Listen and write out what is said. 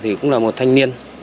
thì cũng là một thanh niên